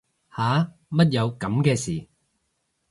吓乜有噉嘅事